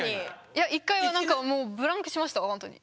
いや１回は何かもうブランクしましたほんとに。